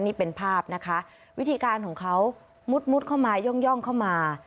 นี่เป็นภาพนะคะวิธีการของเขามุดมุดเข้ามาย่องเข้ามา